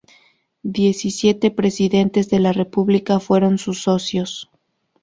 Diecisiete presidentes de la República fueron sus socios.